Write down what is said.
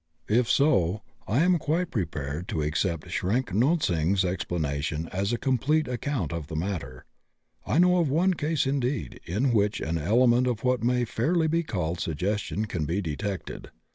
If so, I am quite prepared to accept Schrenck Notzing's explanation as a complete account of the matter. I know of one case, indeed, in which an element of what may fairly be called suggestion can be detected.